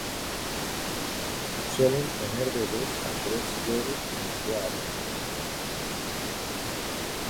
Suelen poner de dos a tres huevos moteados.